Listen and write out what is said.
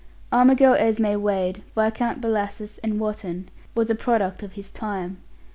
Armigell Esme Wade, Viscount Bellasis and Wotton, was a product of his time.